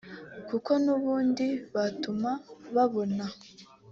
kuko n’ubundi batuma babona